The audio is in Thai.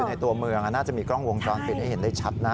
ในตัวเมืองน่าจะมีกล้องวงจรปิดให้เห็นได้ชัดนะ